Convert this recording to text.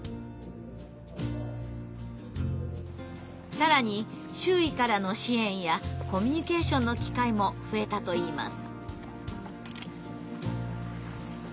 更に周囲からの支援やコミュニケーションの機会も増えたといいます。